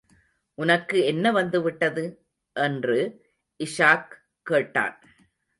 உனக்கு என்ன வந்துவிட்டது? என்று இஷாக் கேட்டான்.